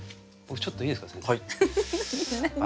僕ちょっといいですか先生。